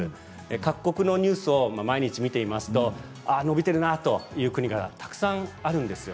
各国のニュースを毎日見ていますと伸びているなという国がたくさんあるんです。